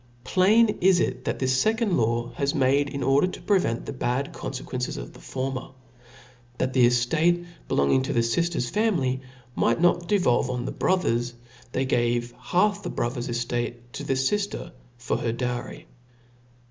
Plain^it it, that this fecond law was made, in order to prevent the bad confe quences of the former. That the eftate belonging to the fiiler^s family might not devolve on the bro tber^s^ they gave half the brother^s eftate to the fifter for her dowry.